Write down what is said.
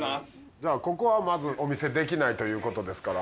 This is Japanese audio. じゃあここはまずお見せできないということですから。